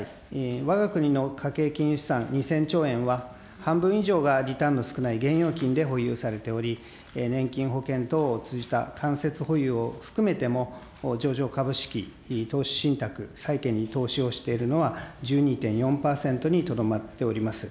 わが国の家計金融資産２０００兆円は、半分以上がリターンの少ない現預金で保有されており、年金、保険等を通じた間接保有を含めても、上場株式、投資信託、債券に投資をしているのは１２．４％にとどまっております。